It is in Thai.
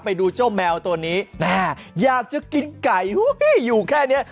ไปดูเจ้าแมวตัวนี้นะฮะอยากจะกินไก่อยู่แค่นี้